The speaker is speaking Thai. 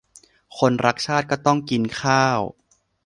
คนรักชาติก็ต้องกินข้าว